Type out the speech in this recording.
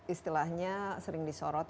istilahnya sering disorot